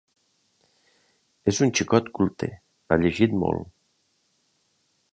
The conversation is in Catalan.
És un xicot culte: ha llegit molt.